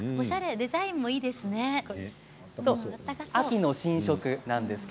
デザインもいいですね。